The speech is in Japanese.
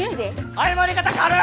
謝り方軽！